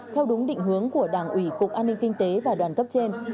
theo đúng định hướng của đảng ủy cục an ninh kinh tế và đoàn cấp trên